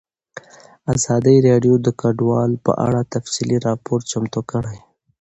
ازادي راډیو د کډوال په اړه تفصیلي راپور چمتو کړی.